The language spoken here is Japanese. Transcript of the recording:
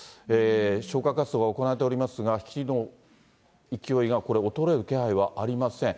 消火活動が行われておりますが、火の勢いが、これ、衰える気配はありません。